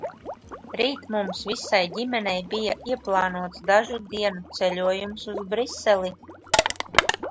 Rīt mums visai ģimenei bija ieplānots dažu dienu ceļojums uz Briseli.